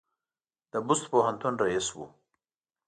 د بُست پوهنتون رییس و.